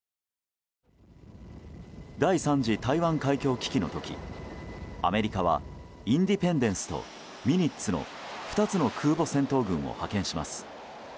第３次台湾海峡危機の時アメリカは「インディペンデンス」と「ニミッツ」の２つの空母戦闘群を派遣します。